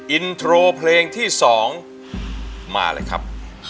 อินโทรเพลงที่๒มาเลยครับ